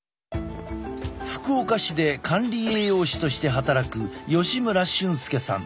福岡市で管理栄養士として働く吉村俊亮さん。